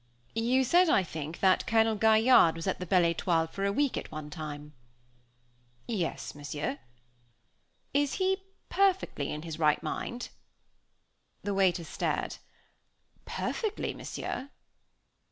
"You said, I think, that Colonel Gaillarde was at the Belle Étoile for a week at one time." "Yes, Monsieur." "Is he perfectly in his right mind?" The waiter stared. "Perfectly, Monsieur."